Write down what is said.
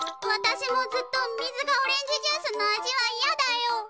わたしもずっと水がオレンジジュースの味はいやだよ！